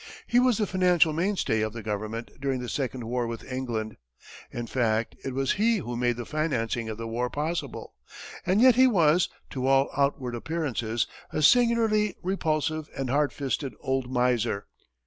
He was the financial mainstay of the government during the second war with England in fact, it was he who made the financing of the war possible. And yet he was, to all outward appearances, a singularly repulsive and hard fisted old miser.